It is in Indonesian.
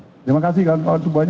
terima kasih kalian semua